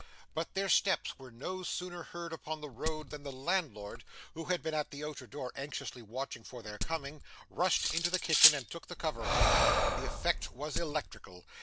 But their steps were no sooner heard upon the road than the landlord, who had been at the outer door anxiously watching for their coming, rushed into the kitchen and took the cover off. The effect was electrical.